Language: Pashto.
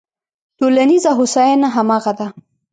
ټولنیزه هوساینه همغه ده.